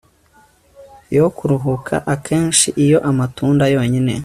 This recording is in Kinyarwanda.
yo kuruhuka Akenshi iyo amatunda yonyine